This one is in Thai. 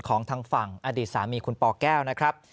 ของทางฝั่งอดีตสามีคุณปแก้วนะครับ